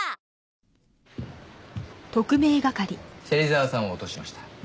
芹沢さんを落としました。